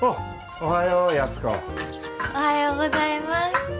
おはようございます。